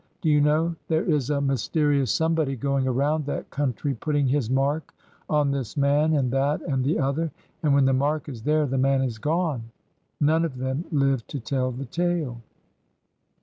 Do you know, there is a mysterious somebody going around that country putting his mark on this man, and that, and the other, — and when the mark is there the man is gone! None of them live to tell the tale.'